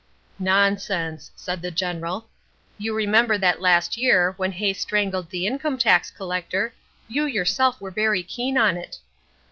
"'Nonsense,' said the General. 'You remember that last year, when Hay strangled the income tax collector, you yourself were very keen on it.'